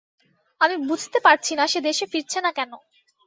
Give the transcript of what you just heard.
আমি বুঝতে পারছি না, সে দেশে ফিরছে না কেন।